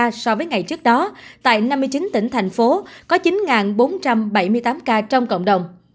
so với ngày trước đó tại năm mươi chín tỉnh thành phố có chín bốn trăm bảy mươi tám ca trong cộng đồng